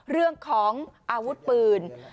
เรื่องของอาวุธปืน